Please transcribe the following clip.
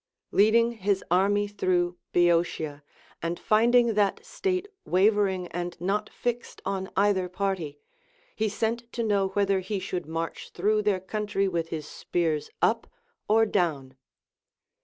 Leading his army through Boeotia, and finding til at state wavering and not fixed on either party, he sent to know whether he should march through their country with his spears up or down.